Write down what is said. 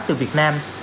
từ việt nam